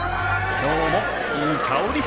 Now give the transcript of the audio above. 今日もいい香り！